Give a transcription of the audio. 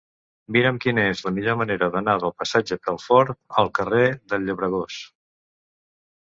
Mira'm quina és la millor manera d'anar del passatge Pelfort al carrer del Llobregós.